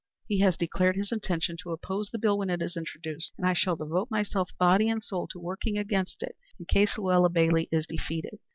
He has declared his intention to oppose the bill when it is introduced, and I shall devote myself body and soul to working against it in case Luella Bailey is defeated.